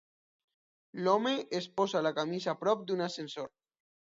L'home es posa la camisa prop d'un ascensor.